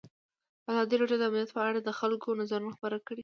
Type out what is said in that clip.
ازادي راډیو د امنیت په اړه د خلکو نظرونه خپاره کړي.